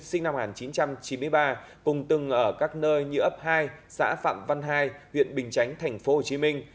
sinh năm một nghìn chín trăm chín mươi ba cùng từng ở các nơi như ấp hai xã phạm văn hai huyện bình chánh tp hcm